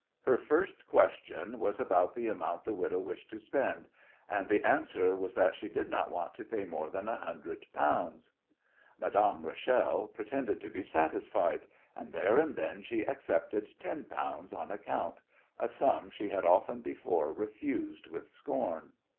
Her first question was about the amount the widow wished to spend, and the answer was that she did not want to pay more than a hundred pounds. Madame Rachel pretended to be satisfied, and there and then she accepted ten pounds on account, a sum she had often before refused with scorn.